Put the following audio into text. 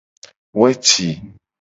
Weci.